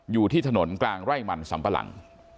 อยู่ที่ถนนกลางไร่มันสำปะหลัง